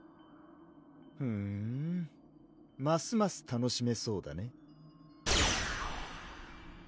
ふんますます楽しめそうだね